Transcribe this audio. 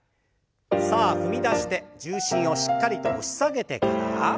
さあ踏み出して重心をしっかりと押し下げてから。